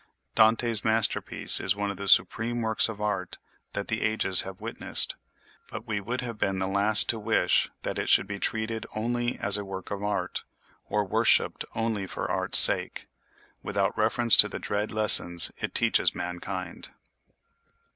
Dante's masterpiece is one of the supreme works of art that the ages have witnessed; but he would have been the last to wish that it should be treated only as a work of art, or worshiped only for art's sake, without reference to the dread lessons it teaches mankind.